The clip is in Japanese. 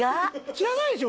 知らないでしょ？